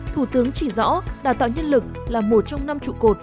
thủ tướng chỉ rõ đào tạo nhân lực là một trong năm trụ cột